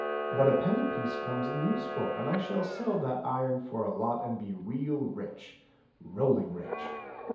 But a penny piece comes in useful, and I shall sell that iron for a lot and be real rich — rolling rich."